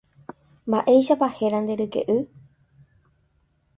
Mba'éichapa héra nde ryke'y.